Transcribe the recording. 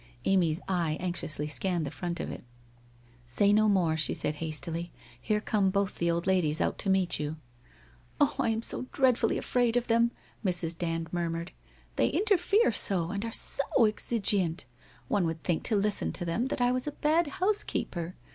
Amy's eye anxiously scanned the front of it. ...' Say no more,' she said hastily, ' here come both the old ladies out to meet you !'' Oh, I am so dreadfully afraid of them !' Mrs. Dand murmured. ' They interfere so, and are so exigeante. One would think to listen to them, that I was a bad house keeper.